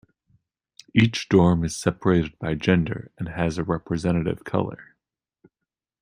Each dorm is separated by gender, and has a representative color.